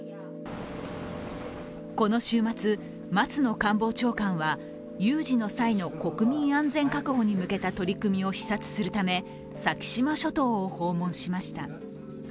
この週末、松野官房長官は有事の際の国民安全確保に向けた取り組みを視察するため先島諸島を訪問しました。